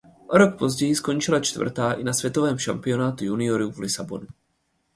O rok později skončila čtvrtá i na světovém šampionátu juniorů v Lisabonu.